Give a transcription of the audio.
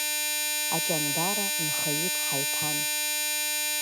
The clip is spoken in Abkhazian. Аҷандара нхаҩык ҳаиҭан.